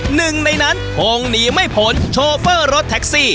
หนึ่งในนั้นคงหนีไม่พ้นโชเฟอร์รถแท็กซี่